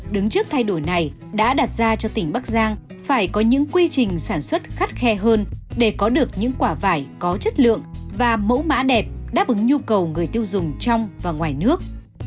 đứng trước thay đổi này đã đặt ra cho tỉnh bắc giang phải có những quy trình sản xuất khắt khe hơn để có được những quả vải có chất lượng và mẫu mã đẹp đáp ứng nhu cầu người tiêu dùng trong và ngoài nước